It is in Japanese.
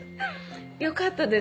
よかったです